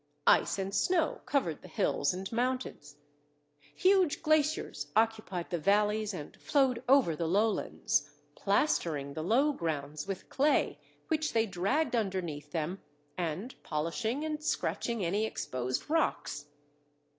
Ice and snow covered the hills and mountains; huge glaciers occupied the valleys and flowed over the lowlands, plastering the low grounds with clay which they dragged underneath them, and polishing and scratching any exposed rocks.